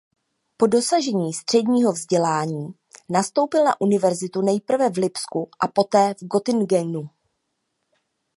Po dosažení středního vzdělání nastoupil na univerzitu nejprve v Lipsku a poté v Göttingenu.